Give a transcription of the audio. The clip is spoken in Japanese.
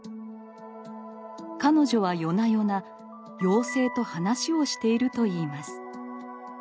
彼女は夜な夜な「妖精」と話をしていると言います。